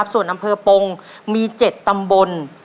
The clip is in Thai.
ส่วนอำเภอปงมี๗ตำบล